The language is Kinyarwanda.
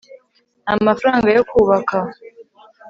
nta mafaranga yo kubaka